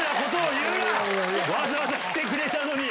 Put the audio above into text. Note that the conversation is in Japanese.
わざわざ来てくれたのに！